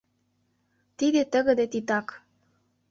Тиде тыгыде титак.